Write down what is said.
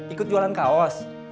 ikut jualan kaos